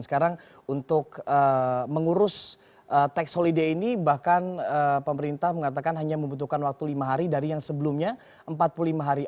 sekarang untuk mengurus tax holiday ini bahkan pemerintah mengatakan hanya membutuhkan waktu lima hari dari yang sebelumnya empat puluh lima hari